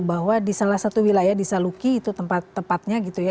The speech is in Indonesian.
bahwa di salah satu wilayah di saluki itu tempat tempatnya gitu ya